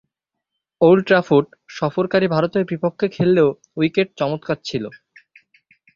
Old ট্রাফোর্ডে সফরকারী ভারতের বিপক্ষে খেললেও উইকেট চমৎকার ছিল।